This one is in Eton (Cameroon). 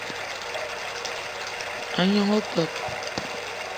A gnong opeup